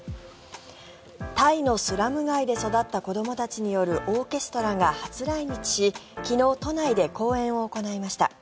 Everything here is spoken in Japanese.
タイのスラム街で育った子どもたちによるオーケストラが初来日し昨日、都内で公演を行いました。